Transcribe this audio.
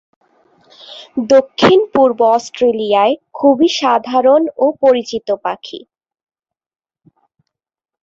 দক্ষিণ পূর্ব অস্ট্রেলিয়ায় খুবই সাধারণ ও পরিচিত পাখি।